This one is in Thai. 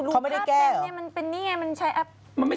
เขาไม่ได้แก้เหรอมันไม่ใช่กราบจริง